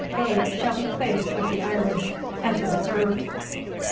They shall be placed with the Irish as a reserve."